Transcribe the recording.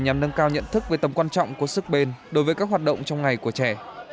nhằm nâng cao nhận thức về tầm quan trọng của sức bền đối với các hoạt động trong ngày của trẻ